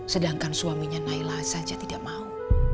sedangkan suaminya naila saja tidak mau